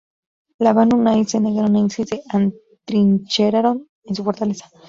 Los Banu Nadir se negaron a irse y se atrincheraron en su fortaleza.